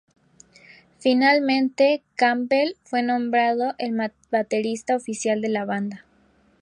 Finalmente, Campbell fue nombrado el baterista oficial de la banda.